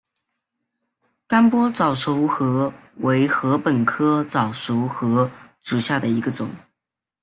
甘波早熟禾为禾本科早熟禾属下的一个种。